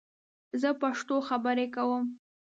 زه پښتو خبرې کوم